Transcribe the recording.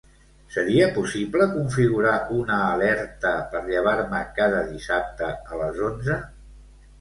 Seria possible configurar una alerta per llevar-me cada dissabte a les onze?